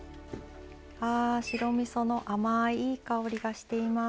白みその甘い、いい香りがしています。